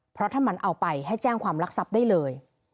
เพราะถ้ามันเอาไปให้แจ้งความรักทรัพย์ได้เลย